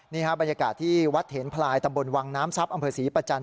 บรรยากาศที่วัดเถนพลายตำบลวังน้ำทรัพย์อำเภอศรีประจันท